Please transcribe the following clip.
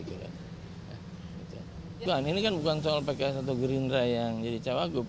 bukan ini kan bukan soal pks atau gerindra yang jadi cawagup